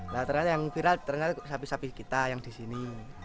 nah ternyata yang viral ternyata sapi sapi kita yang di sini